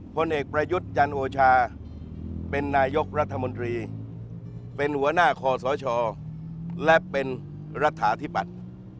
ผลเอกประยุทธ์จันโอชาเป็นนายกรัฐมนตรีเป็นหัวหน้าคอสชและเป็นรัฐาธิบัติ